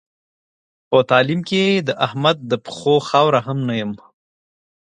په تعلیم کې د احمد د پښو خاوره هم نه یم.